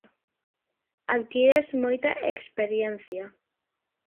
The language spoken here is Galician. Adquires moita experiencia.